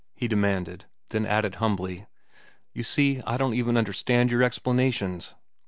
he demanded; then added humbly, "You see, I don't even understand your explanations."